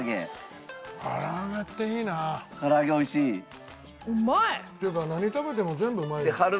唐揚げおいしい？っていうか何食べても全部うまい。